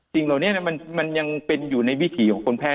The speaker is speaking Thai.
สิ่งเหล่านี้มันยังเป็นอยู่ในวิถีของคนแพท